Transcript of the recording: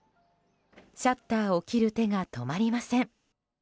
シャッターを切る手が止まりません。